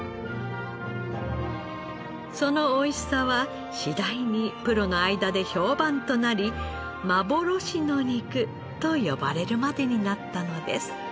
その美味しさは次第にプロの間で評判となり「幻の肉」と呼ばれるまでになったのです。